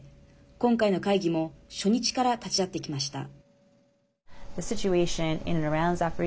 今回の会議も初日から立ち会ってきました。